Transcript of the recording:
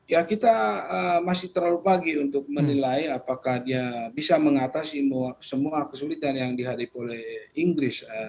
ya kita masih terlalu pagi untuk menilai apakah dia bisa mengatasi semua kesulitan yang dihadap oleh inggris